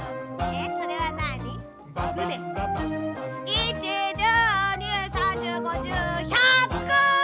１１０２０３０５０１００！